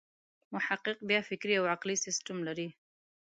محقق بېل فکري او عقلي سیسټم لري.